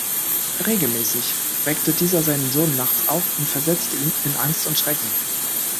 Regelmäßig weckte dieser seinen Sohn nachts auf und versetzte ihn in Angst und Schrecken.